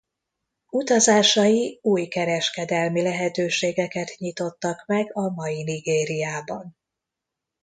Utazásai új kereskedelmi lehetőségeket nyitottak meg a mai Nigériában.